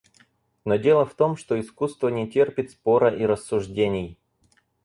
Но дело в том, что искусство не терпит спора и рассуждений.